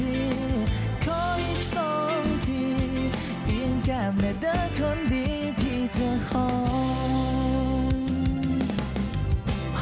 หอมครั้งที่สามเพราะว่าใจอายมีแต่เจ้าหูบอ